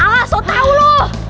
alas otak lu